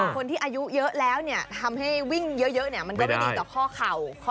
คนที่อายุเยอะแล้วทำให้วิ่งเยอะมันก็ไม่ดีต่อข้อเข่า